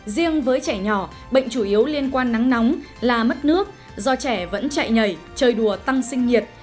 riêng với trẻ nhỏ bệnh chủ yếu liên quan nắng nóng là mất nước do trẻ vẫn chạy nhảy chơi đùa tăng sinh nhiệt